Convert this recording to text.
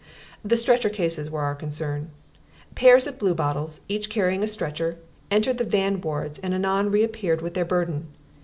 The stretcher cases were our concern. Pairs of Bluebottles, each carrying a stretcher, entered the van wards and anon reappeared with their burden.